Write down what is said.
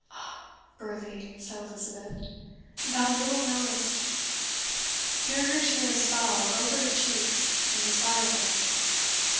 "Ah! Burleigh," said Elizabeth, "thou little knowest " here her tears fell over her cheeks in despite of her.